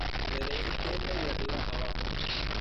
De derecha a izquierda y de arriba a abajo.